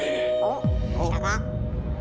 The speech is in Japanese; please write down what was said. おっきたか？